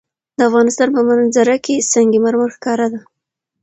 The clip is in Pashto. د افغانستان په منظره کې سنگ مرمر ښکاره ده.